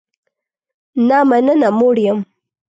نه مننه، موړ یم